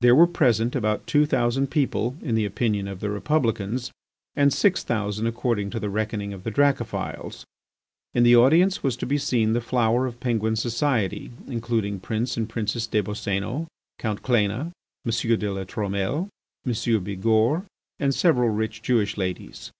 There were present about two thousand people, in the opinion of the Republicans, and six thousand according to the reckoning of the Dracophils. In the audience was to be seen the flower of Penguin society, including Prince and Princess des Boscénos, Count Cléna, M. de La Trumelle, M. Bigourd, and several rich Jewish ladies.